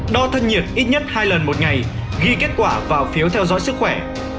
đo thân nhiệt ít nhất hai lần một ngày ghi kết quả vào phiếu theo dõi sức khỏe